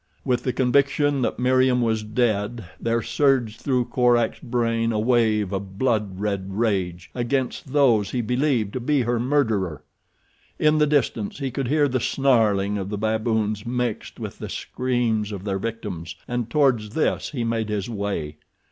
With the conviction that Meriem was dead there surged through Korak's brain a wave of blood red rage against those he believed to be her murderer. In the distance he could hear the snarling of the baboons mixed with the screams of their victims, and towards this he made his way.